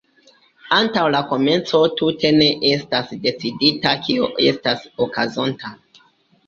Antaŭ la komenco tute ne estas decidita kio estas okazonta.